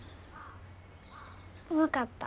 分かった。